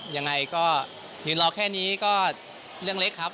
ยังไงก็ยืนรอแค่นี้ก็เรื่องเล็กครับ